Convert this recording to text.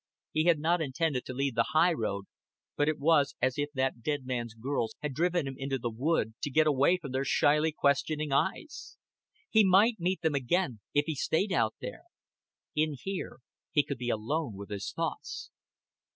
He had not intended to leave the highroad, but it was as if that dead man's girls had driven him into the wood to get away from their shyly questioning eyes. He might meet them again if he stayed out there. In here he could be alone with his thoughts.